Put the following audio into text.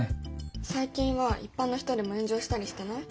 最近は一般の人でも炎上したりしてない？